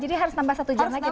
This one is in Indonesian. jadi harus nambah satu jam lagi